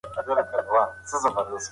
هر بدن خپل ځانګړی میتابولیزم لري.